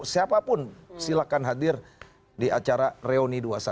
siapapun silakan hadir di acara reuni dua satu dua